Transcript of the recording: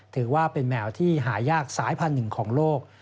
ถือว่าเป็นแมวที่หายากสายพันธุ์หนึ่งของโลก